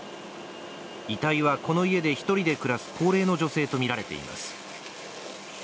遺体は、この家で一人で暮らす高齢の女性とみられています。